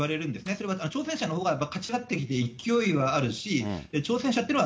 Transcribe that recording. それは挑戦者のほうが勝ち上がってきて、勢いはあるし、挑戦者というのは、